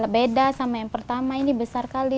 beda sama yang pertama ini besar kali